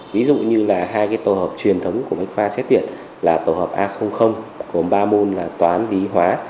ví dụ như là hai cái tổ hợp truyền thống của bách khoa xét tuyển là tổ hợp a gồm ba môn là toán lý hóa